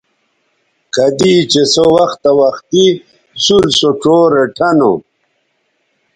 کدی چہء سو وختہ وختی سُور سو ڇو ریٹھہ نو